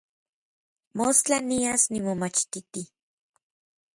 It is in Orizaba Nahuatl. Mostla nias nimomachtiti.